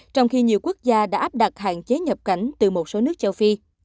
trong khi nhiều quốc gia đã áp đặt hạn chế nhập cảnh từ một số nước châu phi